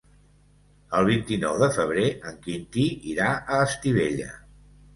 El vint-i-nou de febrer en Quintí irà a Estivella.